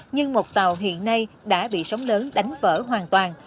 nhưng một tàu hiện nay đã bị sóng lớn đánh vỡ hoàn toàn